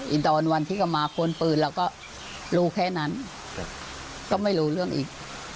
ตอนวันที่ก็มาค้นปืนเราก็รู้แค่นั้นก็ไม่รู้เรื่องอีก